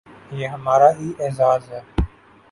یہ ہمارا ہی اعزاز ہے۔